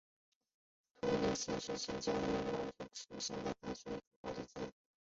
托里县是新疆维吾尔自治区塔城地区下辖的一个县。